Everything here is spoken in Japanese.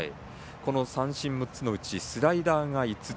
三振６つのうちスライダーが５つ。